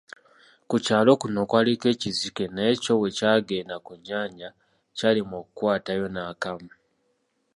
Ku kyalo kuno kwaliko ekizike naye kyo bwekyagenda ku nnyanja kyalemwa okukwatayo n’akamu.